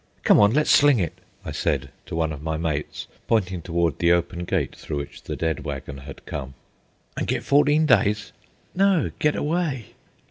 "Come on, let's sling it," I said to one of my mates, pointing toward the open gate through which the dead waggon had come. "An' get fourteen days?" "No; get away."